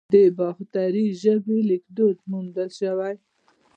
د باختري ژبې لیکدود موندل شوی